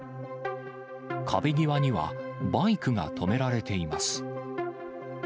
壁際にはバイクが止められています。